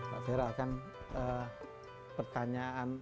pak fera kan pertanyaan